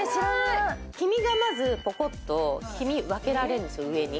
黄身がまずポコッと分けられるんですよ、上に。